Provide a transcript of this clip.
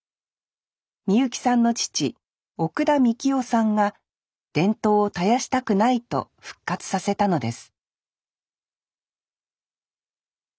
美幸さんの父奥田三樹夫さんが伝統を絶やしたくないと復活させたのです